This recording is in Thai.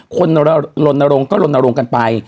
คนละลงก็ละลงกันไป